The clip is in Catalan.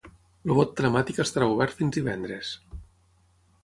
El vot telemàtic estarà obert fins divendres.